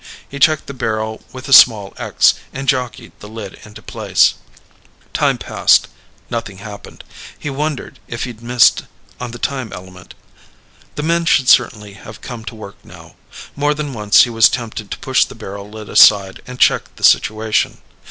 He checked the barrel with a small X, and jockeyed the lid into place. Time passed. Nothing happened. He wondered, if he'd missed on the time element. The men should certainly have come to work now. More than once he was tempted to push the barrel lid aside and check the situation.